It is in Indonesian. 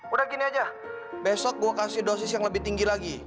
udah gini aja besok gue kasih dosis yang lebih tinggi lagi